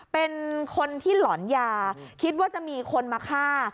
เป็นคนที่หลอนยาคิดว่าจะมีคนมาฆ่า